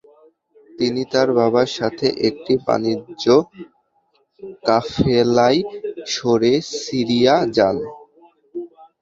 তিনি তার বাবার সাথে একটি বাণিজ্য কাফেলায় করে সিরিয়া যান।